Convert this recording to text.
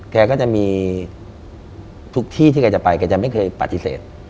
แกก็จะมีทุกที่ที่แกจะไปแกจะไม่เคยปฏิเสธ